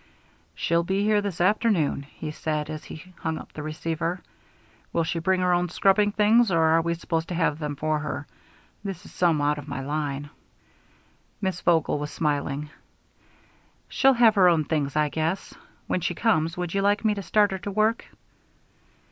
"She'll be here this afternoon," he said as he hung up the receiver. "Will she bring her own scrubbing things, or are we supposed to have them for her? This is some out of my line." Miss Vogel was smiling. "She'll have her own things, I guess. When she comes, would you like me to start her to work?"